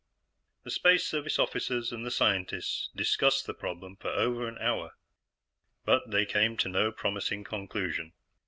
The Space Service officers and the scientists discussed the problem for over an hour, but they came to no promising conclusion.